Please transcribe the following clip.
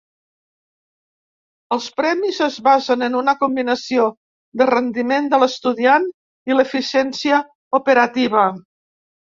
Els premis es basen en una combinació de rendiment de l'estudiant i eficiència operativa.